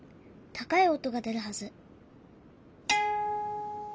高い音が出るはず。